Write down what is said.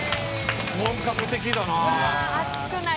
本格的だな。